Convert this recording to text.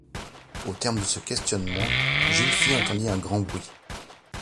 Au terme de ce questionnement, Gylfi entendit un grand bruit.